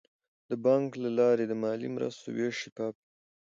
د بانک له لارې د مالي مرستو ویش شفاف وي.